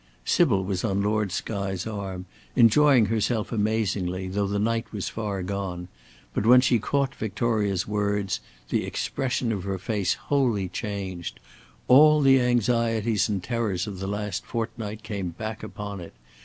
Sybil was on Lord Skye's arm, enjoying herself amazingly, though the night was far gone, but when she caught Victoria's words, the expression of her face wholly changed. All the anxieties and terrors of the last fortnight, came back upon it.